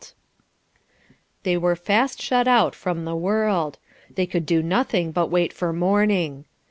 There they were fast shut out from the world. They could do nothing but wait for morning.